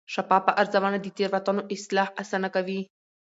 شفافه ارزونه د تېروتنو اصلاح اسانه کوي.